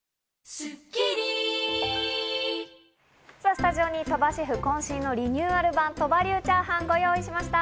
スタジオに鳥羽シェフ渾身のリニューアル版・鳥羽流チャーハンをご用意しました。